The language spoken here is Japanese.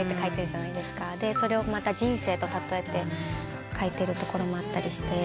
それを人生と例えて書いてるところもあったり。